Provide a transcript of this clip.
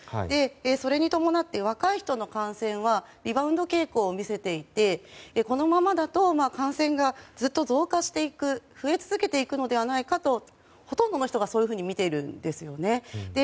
それに伴って、若い人の感染はリバウンド傾向を見せていてこのままだと感染がずっと増加していく増え続けていくのではないかとほとんどの人がそういうふうに見ているんですよね。